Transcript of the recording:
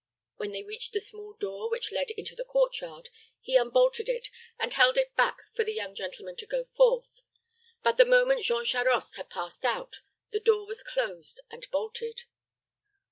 When they reached the small door which led into the court, he unbolted it, and held it back for the young gentleman to go forth; but the moment Jean Charost had passed out, the door was closed and bolted.